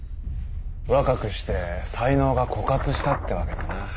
若くして才能が枯渇したってわけだな。